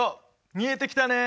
見えてきたね！